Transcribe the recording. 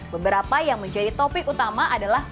beberapa yang menjadi topik utama adalah